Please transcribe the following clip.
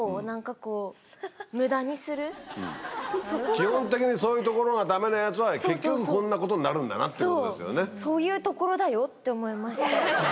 基本的にそういうところがダメなヤツは結局こんなことになるんだなってことですよね。って思いました。